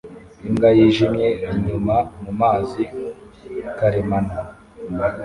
Imbwa yijimye inyura mumazi karemano